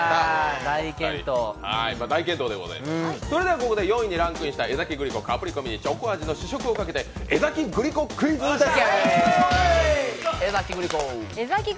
ここで４位にランクインした江崎グリコ、カプリコミニのチョコ味の試食をかけて江崎グリコクイズです！